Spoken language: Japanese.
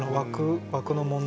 枠の問題で。